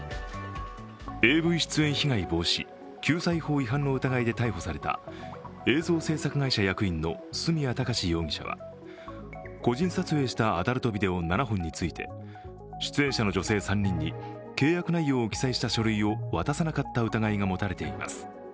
ＡＶ出演被害防止・救済法違反の疑いで逮捕された映像制作会社役員の角谷貴史容疑者は個人撮影したアダルトビデオ７本について出演者の女性３人に契約内容を記載した書類を渡さなかった疑いが持たれています。